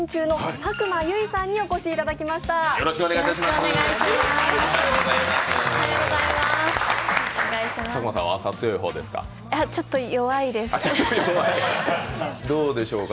佐久間さんは朝強い方ですか？